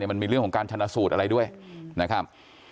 มันมีเรื่องของการชนะสูตรอะไรด้วยนะครับ